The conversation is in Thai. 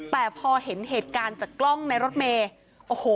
แต่พอเห็นเหตุการณ์จากกล้องในรถเมย์โอ้โห